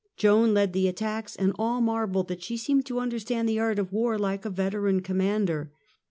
Joan led the attacks and all marvelled that she seemed to understand the art of war like a veteran commander.